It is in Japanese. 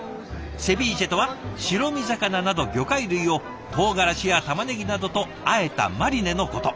セビーチェとは白身魚など魚介類を唐辛子やたまねぎなどとあえたマリネのこと。